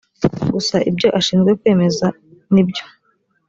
gusa ibyo ashinzwe kwemeza n ibyo